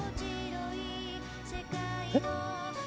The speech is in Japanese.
えっ。